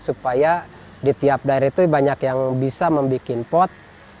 supaya di tiap daerah itu banyak yang bisa membuat pot